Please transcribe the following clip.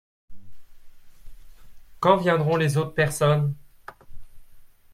Quand viendront les autres personnes ?